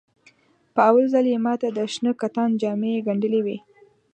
په اول ځل یې ماته د شنه کتان جامې ګنډلې وې.